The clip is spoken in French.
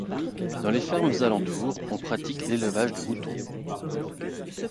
Dans les fermes alentour, on pratique l'élevage de moutons.